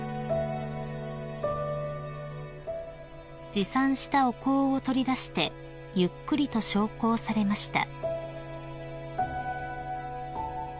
［持参したお香を取り出してゆっくりと焼香されました］